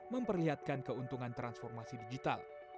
memperlihatkan keuntungan transformasi digital